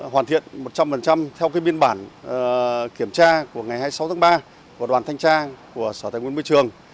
hoàn thiện một trăm linh theo cái biên bản kiểm tra của ngày hai mươi sáu tháng ba của đoàn thanh tra của sở thành quân môi trường